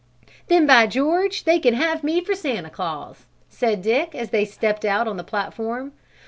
"Then, by George, they can have me for Santa Claus!" said Dick as they stepped out on the platform.